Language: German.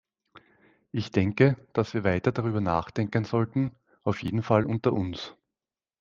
Ich denke, dass wir weiter darüber nachdenken sollten auf jeden Fall unter uns.